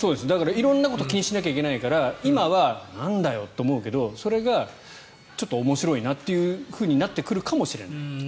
色んなことを気にしなきゃいけないから今は何だよと思うけどそれがちょっと面白いなっていうふうになってくるかもしれない。